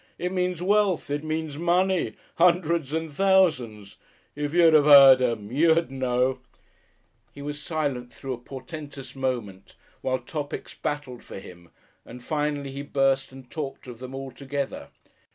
It means wealth, it means money hundreds and thousands.... If you'd heard 'em, you'd know." He was silent through a portentous moment while topics battled for him and finally he burst and talked of them all together.